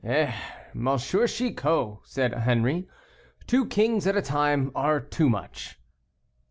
"Eh, M. Chicot," said Henri, "two kings at a time are too much."